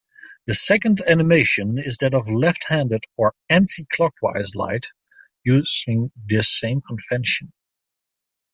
The second animation is that of left-handed or anti-clockwise light using this same convention.